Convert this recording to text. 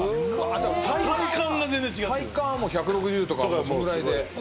体感は１６０とかそんぐらいで？